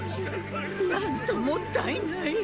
何ともったいない。